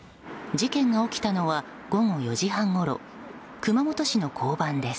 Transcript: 事件が起きたのは午後４時半ごろ熊本市の交番です。